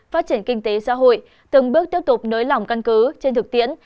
phát triển kinh tế xã hội từng bước tiếp tục nới lỏng căn cứ trên thực tiễn